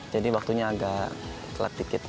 jadi waktunya agak telat dikit